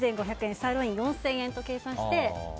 サーロイン４０００円と計算して。